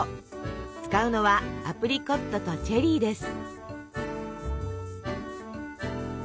使うのはアプリコットとチェリーです。